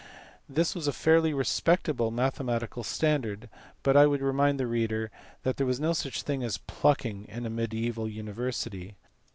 This was a fairly respectable mathematical standard, but I would remind the reader that there was no such thing as " plucking" in a mediaeval university.